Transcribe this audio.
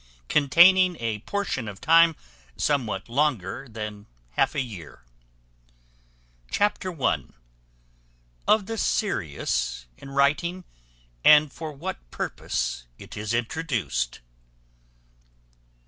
CONTAINING A PORTION OF TIME SOMEWHAT LONGER THAN HALF A YEAR. Chapter i. Of the SERIOUS in writing, and for what purpose it is introduced.